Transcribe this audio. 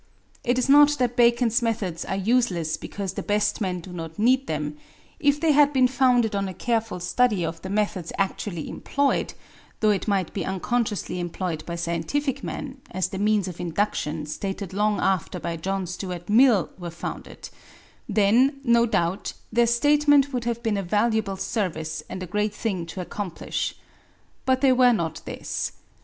It is not that Bacon's methods are useless because the best men do not need them; if they had been founded on a careful study of the methods actually employed, though it might be unconsciously employed, by scientific men as the methods of induction, stated long after by John Stuart Mill, were founded then, no doubt, their statement would have been a valuable service and a great thing to accomplish. But they were not this.